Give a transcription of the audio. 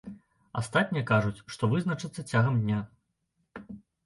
Астатнія кажуць, што вызначацца цягам дня.